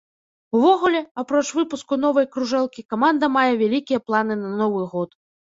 Увогуле, апроч выпуску новай кружэлкі, каманда мае вялікія планы на новы год.